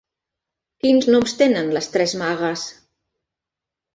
Quins noms tenen les tres Magues?